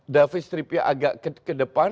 david stripia agak ke depan